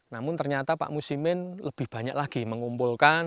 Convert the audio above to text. namun ternyata pak musimin lebih banyak lagi mengumpulkan